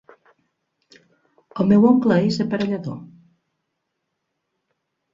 El meu oncle és aparellador